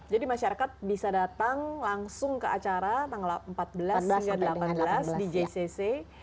jadi masyarakat bisa datang langsung ke acara tanggal empat belas hingga delapan belas desember di jcc